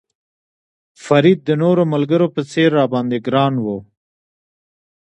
فرید د نورو ملګرو په څېر را باندې ګران و.